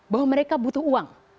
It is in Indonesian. bahwa mereka butuh uang